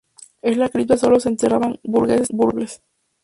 En la cripta solo se enterraban burgueses y nobles.